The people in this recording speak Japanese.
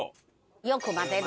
よく混ぜる。